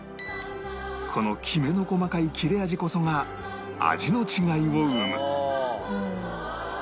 このきめの細かい切れ味こそが味の違いを生む